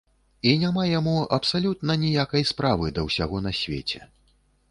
І няма яму абсалютна ніякай справы да ўсяго на свеце.